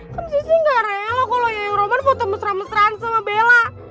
saya sih nggak rela kalau yang roman foto mesra mesraan sama bella